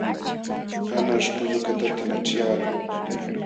Anqaśh pullukatata laćhyaqlun.